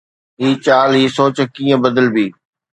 هي چال، هي سوچ ڪيئن بدلبي؟